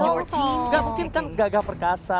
jangan mungkin kan kagagah perkasa